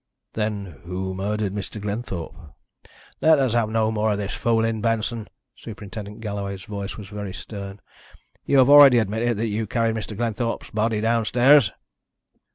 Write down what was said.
"Then who murdered Mr. Glenthorpe?" "Let us have no more of this fooling, Benson." Superintendent Galloway's voice was very stern. "You have already admitted that you carried Mr. Glenthorpe's body downstairs."